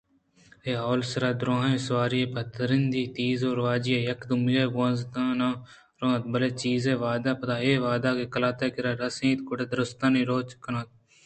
اول سراں دُرٛاہیں سواری پہ ترٛندی ءُ تیز رواجی یکے دومی ءَ گوٛازیناں رو اَنت بلئے چیزے وہدءَ پد اے وہدے کہ قلات ءِ کِرّا رس اَنت گڑا دُرٛستانی رواج کُنٹ بنت